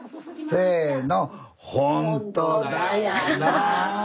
せの！